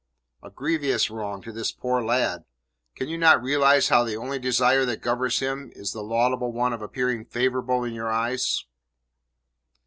"A grievous wrong to this poor lad. Can you not realize how the only desire that governs him is the laudable one of appearing favourably in your eyes?"